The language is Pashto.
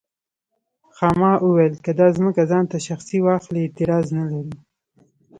خاما وویل که دا ځمکه ځان ته شخصي واخلي اعتراض نه لرو.